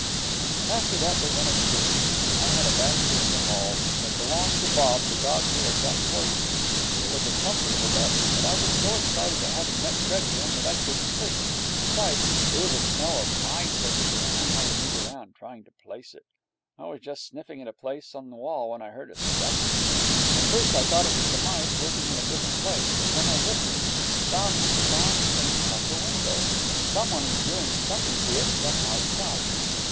And after that they went upstairs. I had a basket in the hall, which had belonged to Bob, the dog who had got poisoned. It was a comfortable basket, but I was so excited at having met Fred again that I couldn't sleep. Besides, there was a smell of mice somewhere, and I had to move around, trying to place it. I was just sniffing at a place in the wall, when I heard a scratching noise. At first I thought it was the mice working in a different place, but, when I listened, I found that the sound came from the window. Somebody was doing something to it from outside.